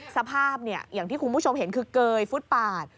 สภาพอย่างที่คุณผู้ชมเห็นคือเกยฟุตปาด